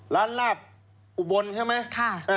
ร้านลาบอุบลใช่ไหม